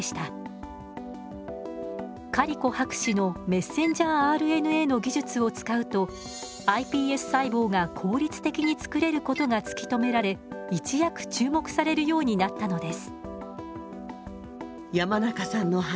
カリコ博士のｍＲＮＡの技術を使うとｉＰＳ細胞が効率的につくれることが突き止められ一躍注目されるようになったのです。